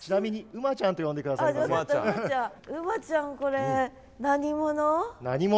馬ちゃんこれ何者？